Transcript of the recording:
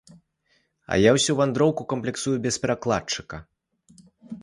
А я ўсю вандроўку камплексую без перакладчыка.